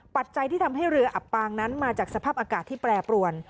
ปัจจัยที่ทำให้เรืออับปางนั้นมาจากสภาพอากาศที่แปรปรวน